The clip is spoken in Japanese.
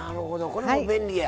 これも便利や。